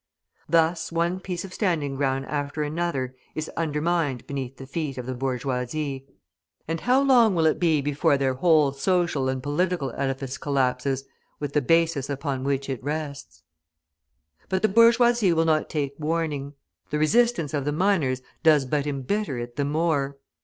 Thus one piece of standing ground after another is undermined beneath the feet of the bourgeoisie; and how long will it be before their whole social and political edifice collapses with the basis upon which it rests? But the bourgeoisie will not take warning. The resistance of the miners does but embitter it the more.